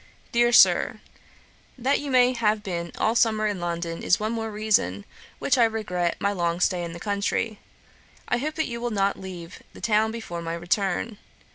'DEAR SIR, 'That you have been all summer in London, is one more reason for which I regret my long stay in the country. I hope that you will not leave the town before my return.